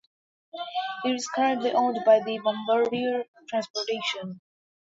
It is currently owned by Bombardier Transportation.